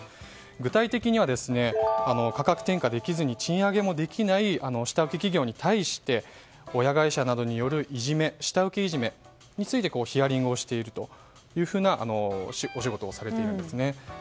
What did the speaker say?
具体的には価格転嫁できずに賃上げもできない下請け企業に対して親会社などによる下請けいじめについてヒアリングをしているという仕事をされているんです。